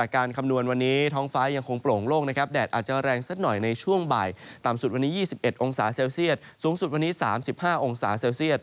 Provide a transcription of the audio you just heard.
ตามสุดวันนี้๒๑องศาเซลเซียตสูงสุดวันนี้๓๕องศาเซลเซียต